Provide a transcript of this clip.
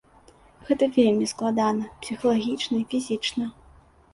Гэта вельмі складана псіхалагічна і фізічна.